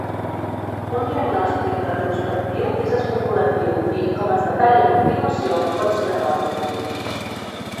Un diagnòstic retrospectiu és especulatiu i, com es detalla a continuació, pot ser erroni.